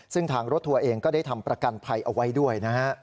ซึ่งทางรถทัวร์เองก็ได้ทำประกันภัยเอาไว้ด้วยนะฮะ